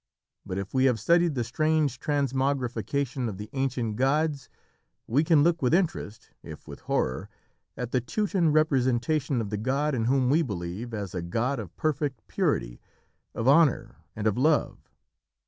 But if we have studied the strange transmogrification of the ancient gods, we can look with interest, if with horror, at the Teuton representation of the GOD in whom we believe as a GOD of perfect purity, of honour, and of love.